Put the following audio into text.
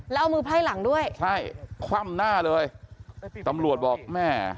แล้วเอามือไพร่หลังด้วยใช่คว่ำหน้าเลยตำรวจบอกแม่